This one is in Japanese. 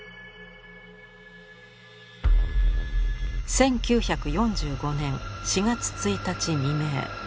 １９４５年４月１日未明。